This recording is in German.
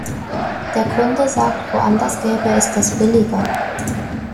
Der Kunde sagt, woanders gäbe es das billiger.